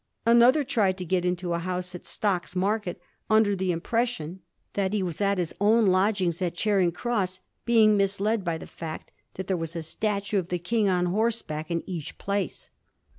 Another tried to get into a house at Stocks Market under the im pression that he was at his own lodgings at Charing Cross, being misled by the fact that there was a statue of the King on horseback in each place.